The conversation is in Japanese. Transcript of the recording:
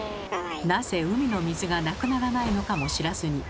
なぜ海の水がなくならないのかも知らずに海に向かって。